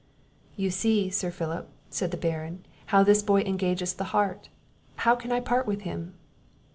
"You see, Sir Philip," said the Baron, "how this boy engages the heart; how can I part with him?"